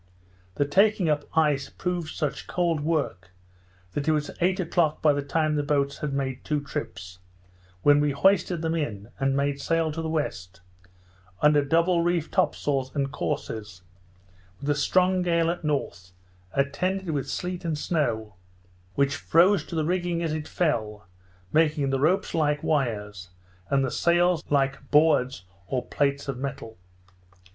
The taking up ice proved such cold work, that it was eight o'clock by the time the boats had made two trips, when we hoisted them in, and made sail to the west, under double reefed top sails and courses, with a strong gale at north, attended with snow and sleet, which froze to the rigging as it fell, making the ropes like wires, and the sails like boards or plates of metal.